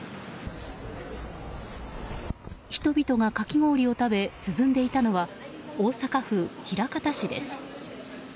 人々がかき氷を食べ、涼んでいたのは大阪府枚方市です。